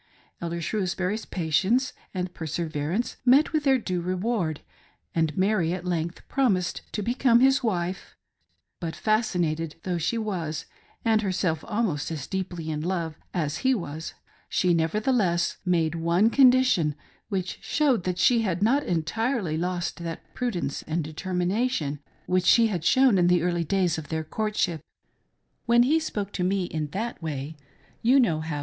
Elder Shrewsbury's patience and perseverance met with their due reward, and Mary at length promised to become his wife ;— but fascinated though ^he was, and herself almost as deeply in love as he was, she nevertheless made one condition which showed that she had not entirely lost that prudence and determination which she had shown in the early days of their courtship: — A BRIDES CORRESPONDENCE. 1 95 " When he spoke to me in tJmt way, — ^you know hmv.